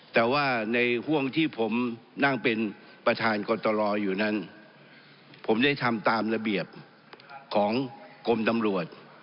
แต่ว่าในห่วงที่ผมนั่งเป็นประธานกตรอยู่นั้นผมได้ทำตามระเบียบของกรมตำรวจ